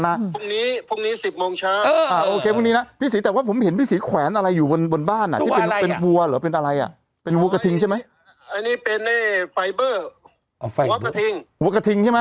ต่างนะพรุ่งนี้พรุ่งนี้สิบโมงช้าเอออ่าโอเคพรุ่งนี้น่ะ